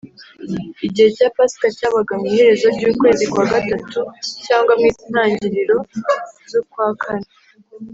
. Igihe cya Pasika cyabaga mu iherezo ry’ukwezi kwa gatatu cyagwa mu ntangiriro z’ukwa kane